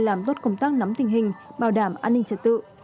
làm tốt công tác nắm tình hình bảo đảm an ninh trật tự